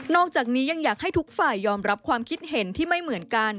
อกจากนี้ยังอยากให้ทุกฝ่ายยอมรับความคิดเห็นที่ไม่เหมือนกัน